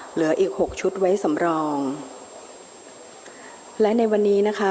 เหลืออีกหกชุดไว้สำรองและในวันนี้นะคะ